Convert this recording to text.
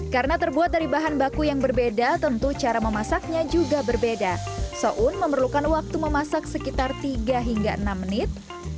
karena terbuat dari bahan baku yang berbeda tentu cara memasaknya juga berbeda so'un memerlukan waktu memasak sekitar tiga hingga enam menit